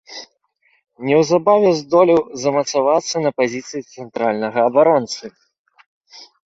Неўзабаве здолеў замацавацца на пазіцыі цэнтральнага абаронцы.